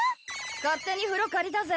勝手に風呂借りたぜ。